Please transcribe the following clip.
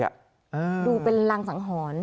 ดูเป็นรังสังหรณ์